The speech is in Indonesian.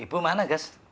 ibu mana ges